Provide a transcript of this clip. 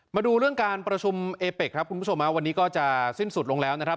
มาดูเรื่องการประชุมเอเป็กครับคุณผู้ชมวันนี้ก็จะสิ้นสุดลงแล้วนะครับ